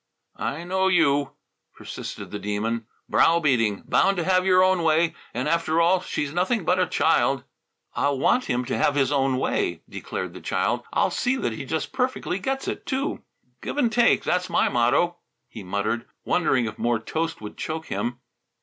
"I know you," persisted the Demon. "Brow beating, bound to have your own way, and, after all, she's nothing but a child." "I'll want him to have his own way," declared the child. "I'll see that he just perfectly gets it, too!" "Give and take, that's my motto," he muttered, wondering if more toast would choke him.